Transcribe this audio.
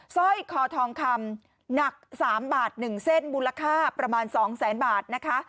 สร้อยคอทองคำหนัก๓บาท๑เส้นมูลค่าประมาณ๒แสนบาทนะคะ